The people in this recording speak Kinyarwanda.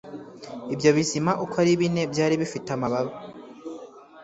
ibyo bizima uko ari bine byari bifite amababa